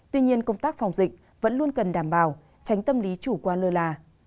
tuy nhiên công tác phòng dịch vẫn luôn cần đảm bảo tránh tâm lý chủ quan lơ là